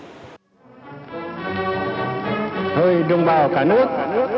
hơi đông vào cả nước